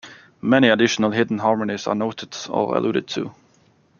Many additional hidden harmonies are noted or alluded to.